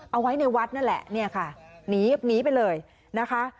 เอาไว้ในวัดนั่นแหละเนี่ยค่ะหนีไปเลยนะคะ